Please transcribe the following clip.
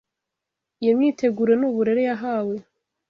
Iyo myiteguro ni uburere yahawe